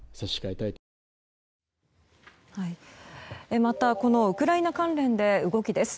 またウクライナ関連で動きです。